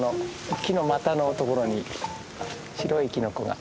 木の股のところに白いキノコが。